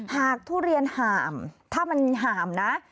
ทุเรียนห่ามถ้ามันห่ามนะ